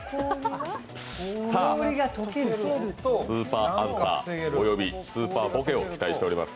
スーパーアンサー及びスーパーボケを期待しております。